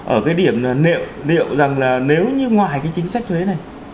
ở cái điểm liệu rằng là nếu như ngoài cái chính sách thuế này